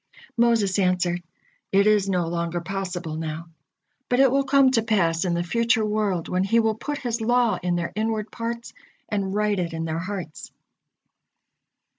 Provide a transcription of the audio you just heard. Moses answered: "It is no longer possible now, but it will come to pass in the future world, when He will put His law in their inward parts, and write it in their hearts."